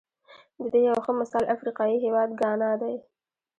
د دې یو ښه مثال افریقايي هېواد ګانا دی.